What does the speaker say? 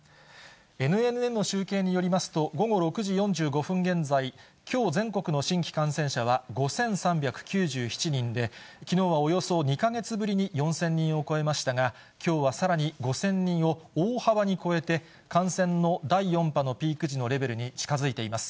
ＮＮＮの集計によりますと、午後６時４５分現在、きょう全国の新規感染者は５３９７人で、きのうはおよそ２か月ぶりに４０００人を超えましたが、きょうはさらに５０００人を大幅に超えて、感染の第４波のピーク時のレベルに近づいています。